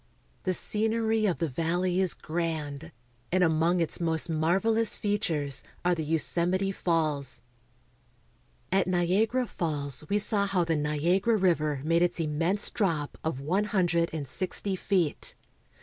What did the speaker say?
The scenery of the valley is grand, and among its most marvelous fea tures are the Yosemite Falls. At Niagara Falls we saw how the Niagara River made its immense drop of one hundred and sixty feet.